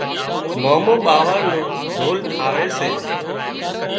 مامو ٻاوۯ نو ڍول ٺاهي سي